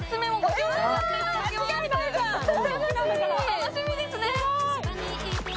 楽しみですね。